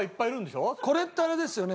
これってあれですよね